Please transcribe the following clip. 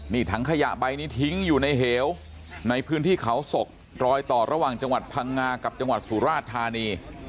นี่ถังขยะใบนี้ทิ้งอยู่ในเหวในพื้นที่เขาศกรอยต่อระหว่างจังหวัดพังงากับจังหวัดสุราชธานี